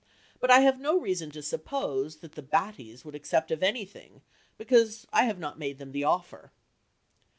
But I have no reason to suppose that the Battys would accept of anything, because I have not made them the offer."